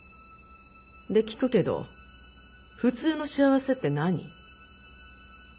で聞くけど普通の幸せって何？